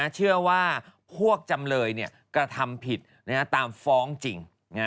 เชื่อว่าพวกจำเลยกระทำผิดตามฟ้องจริง